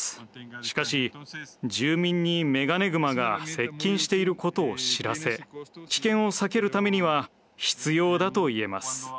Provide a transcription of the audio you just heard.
しかし住民にメガネグマが接近していることを知らせ危険を避けるためには必要だと言えます。